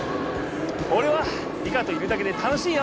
おれはリカといるだけで楽しいよ！